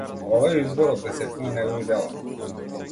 Ова е избор од десетина негови дела.